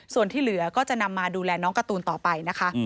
ส่วนที่เหลือก็จะนำมาดูแลน้องการ์ตูนต่อไปนะคะ